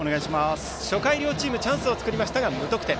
初回、両チームチャンスを作りましたが無得点。